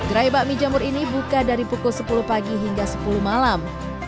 gerai bakmi jamur ini buka dari pukul sepuluh pagi hingga sepuluh malam